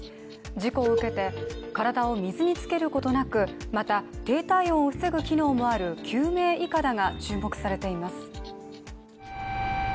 事故を受けて、体を水につけることなくまた低体温を防ぐ機能もある救命いかだが注目されています。